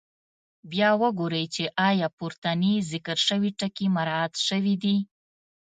بیا وګورئ چې آیا پورتني ذکر شوي ټکي مراعات شوي دي.